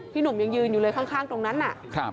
หนุ่มยังยืนอยู่เลยข้างตรงนั้นน่ะ